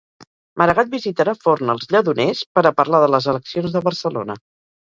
Maragall visitarà Forn als Lledoners per a parlar de les eleccions de Barcelona.